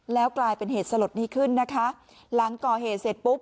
แล้วกลายเป็นเหตุสลดนี้ขึ้นนะคะหลังก่อเหตุเสร็จปุ๊บ